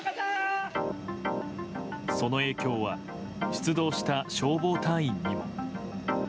その影響は出動した消防隊員にも。